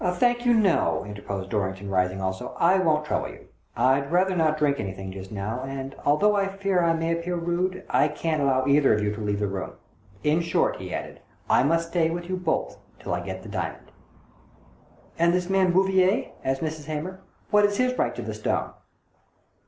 " Thank you, no," interposed Dorrington, rising also, " I won't trouble you. I'd rather not drink anything just now, and, although I fear I may 11 146 THE DOBBINGTON DEED BOX appear rude, I can't allow either of you to leave the room. In short," he added, " I must stay with you both till I get the diamond." "And this man Bouvier," asked Mrs. Hamer, " what is his right to the stone?